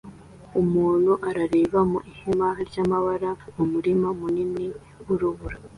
Umuntu arareba mu ihema ryamabara mumurima munini wurubura